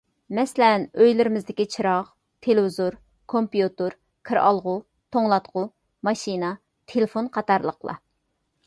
مەسىلەن، ئۆيلىرىمىزدىكى چىراغ، تېلېۋىزور، كومپيۇتېر، كىرئالغۇ، توڭلاتقۇ، ماشىنا، تېلېفون قاتارلىقلار.